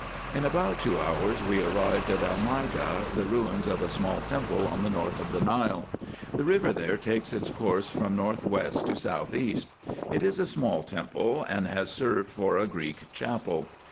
In about two hours we arrived at Almeida, the ruins of a small temple on the north of the Nile. The river there takes its course from north west to south east. It is a small temple, and has served for a Greek chapel.